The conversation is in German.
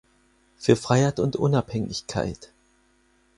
Für Freiheit und Unabhängigkeit.